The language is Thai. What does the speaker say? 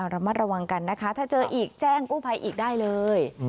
ระมัดระวังกันนะคะถ้าเจออีกแจ้งกู้ภัยอีกได้เลย